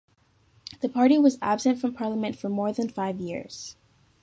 The party was absent from parliament for more than five years.